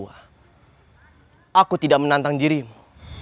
aku tidak menentang dirimu